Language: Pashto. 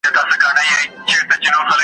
شپه دي اوږده تپه تیاره دي وي .